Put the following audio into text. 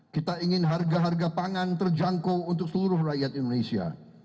kita ingin harga harga pangan terjangkau untuk seluruh rakyat indonesia